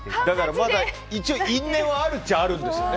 まだ因縁はあるっちゃあるんですね。